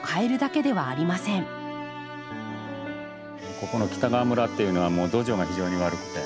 ここの北川村っていうのは土壌が非常に悪くて。